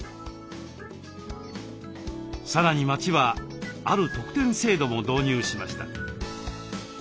さらに町はある特典制度も導入しました。